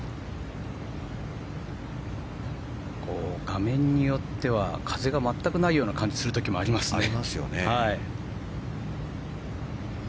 画面によっては風が全くないような感じがする時がありますね。